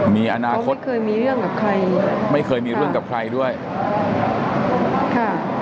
มีอนาคตไม่เคยมีเรื่องกับใครไม่เคยมีเรื่องกับใครด้วยค่ะ